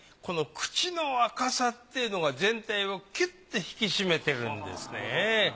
この口の赤さっていうのが全体をキュッて引き締めているんですね。